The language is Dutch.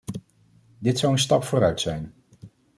Dit zou een stap vooruit zijn.